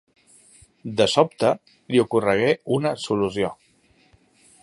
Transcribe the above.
De sobte, li ocorregué una solució.